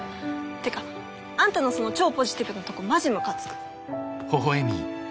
てかあんたのその超ポジティブなとこマジむかつく。